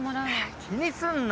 気にすんな。